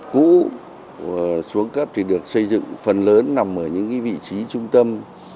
cũ xuống cấp thì được xây dựng phần lớn nằm ở những vị trí trung tâm